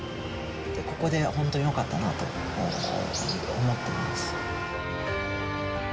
ここで本当によかったなと思ってます。